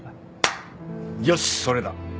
よしそれだ。